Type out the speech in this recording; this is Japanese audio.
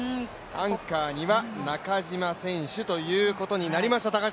アンカーには中島選手ということになりました。